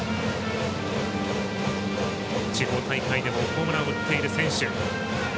地方大会でもホームランを打っている選手。